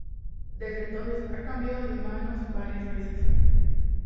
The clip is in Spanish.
Desde entonces ha cambiado de manos varias veces.